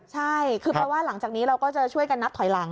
ใช่คือแปลว่าหลังจากนี้เราก็จะช่วยกันนับถอยหลัง